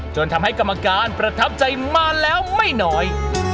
จนทำให้กรรมการประทับใจมาแล้วไม่น้อย